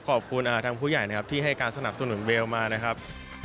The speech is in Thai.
ขอบคุณทางผู้ใหญ่นะครับที่ให้การสนับสนุนเวลมานะครับ